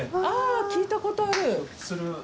あぁ聞いたことある。